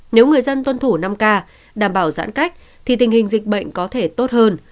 nếu người dân tuân thủ năm k đảm bảo giãn cách thì tình hình dịch bệnh có thể tốt hơn